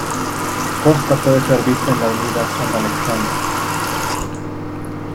Costa, puede ser vista en la avenida Saint-Alexandre.